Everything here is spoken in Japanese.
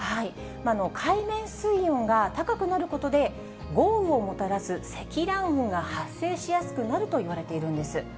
海面水温が高くなることで、豪雨をもたらす積乱雲が発生しやすくなるといわれているんです。